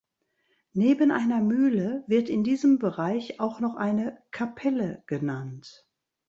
Neben einer Mühle wird in diesem Bereich auch noch eine „Capelle“ genannt.